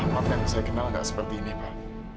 maaf pak yang saya kenal nggak seperti ini pak